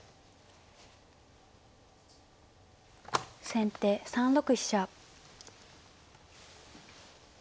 先手３六飛車。